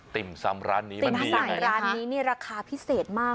ติ่มซำร้านนี้มันดียังไงติ่มทำสายร้านนี้นี่ราคาพิเศษมาก